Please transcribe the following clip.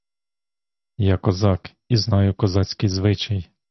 Я козак і знаю козацький звичай.